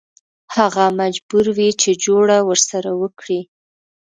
هغه مجبور وي چې جوړه ورسره وکړي.